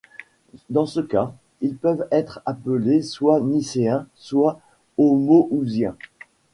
Dans ce cas ils peuvent être appelés soit Nicéens soit Homoousiens.